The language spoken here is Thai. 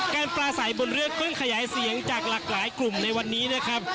ปลาใสบนเรือเครื่องขยายเสียงจากหลากหลายกลุ่มในวันนี้นะครับ